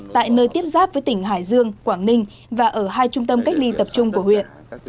tại nơi tiếp giáp với tỉnh hải dương quảng ninh và ở hai trung tâm cách ly tập trung của huyện